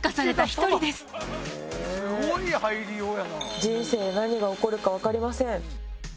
人生、何が起こるか分かりません。